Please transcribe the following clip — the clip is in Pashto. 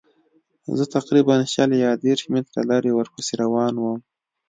زه تقریباً شل یا دېرش متره لرې ورپسې روان وم.